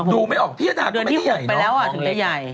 ดูไม่ออกพี่ยะด่าก็ไม่ได้ใหญ่เนอะเดือนที่๖ไปแล้วถึงได้ใหญ่